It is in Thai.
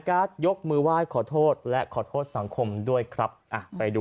ยกมือไหว้ขอโทษและขอโทษสังคมด้วยครับอ่ะไปดู